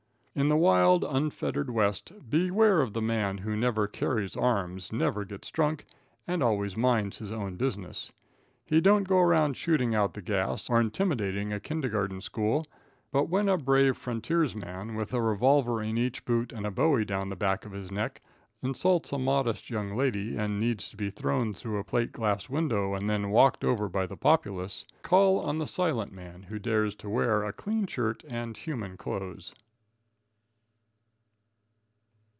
In the wild, unfettered West, beware of the man who never carries arms, never gets drunk and always minds his own business. He don't go around shooting out the gas, or intimidating a kindergarten school; but when a brave frontiersman, with a revolver in each boot and a bowie down the back of his neck, insults a modest young lady, and needs to be thrown through a plate glass window and then walked over by the populace, call on the silent man who dares to wear a clean shirt and human clothes.